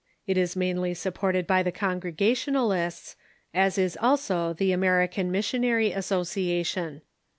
It is mainly supported by the Congregationalists, as is also the American Missionary Association.